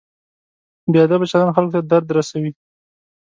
بې ادبه چلند خلکو ته درد رسوي.